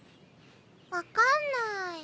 「分かんない」。